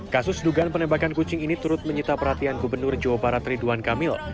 kasus dugaan penembakan kucing ini turut menyita perhatian gubernur jawa barat ridwan kamil